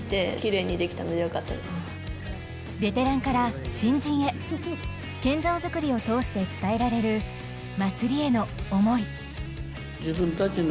ベテランから新人へ験竿作りを通して伝えられるまつりへの思い